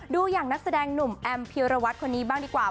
ดูอย่างนักแสดงหนุ่มแอมพีรวัตรคนนี้บ้างดีกว่า